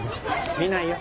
見ないよ。